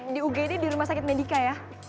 di ug ini di rumah sakit medika ya